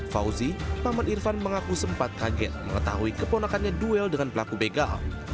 fauzi paman irfan mengaku sempat kaget mengetahui keponakannya duel dengan pelaku begal